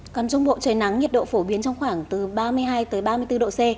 còn trung bộ trời nắng nhiệt độ phổ biến trong khoảng từ ba mươi hai ba mươi bốn độ c